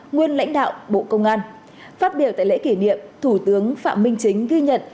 nguyên lãnh đạo bộ công an phát biểu tại lễ kỷ niệm thủ tướng phạm minh chính ghi nhận